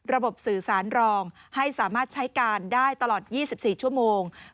สื่อสารรองให้สามารถใช้การได้ตลอด๒๔ชั่วโมง